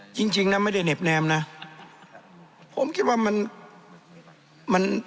จริงจริงนะไม่ได้เหน็บแนมนะผมคิดว่ามันมัน